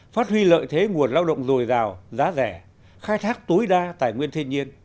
phát huy lợi thế nguồn lao động dồi dào giá rẻ khai thác tối đa tài nguyên thiên nhiên